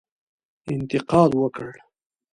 انتقاد وکړ.